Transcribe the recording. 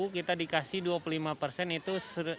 kita dikasih dua puluh lima persen itu satu dua ratus